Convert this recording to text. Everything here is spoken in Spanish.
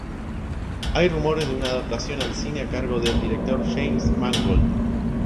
Hay rumores de una adaptación al cine a cargo del director James Mangold.